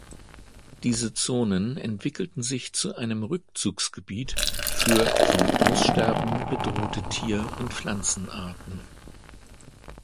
Diese Zonen entwickelten sich zu einem Rückzugsgebiet für vom Aussterben bedrohte Tier- und Pflanzenarten.